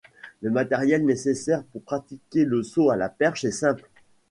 Le matériel nécessaire pour pratiquer le saut à la perche est simple.